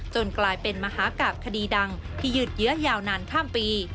กลายเป็นมหากราบคดีดังที่ยืดเยื้อยาวนานข้ามปี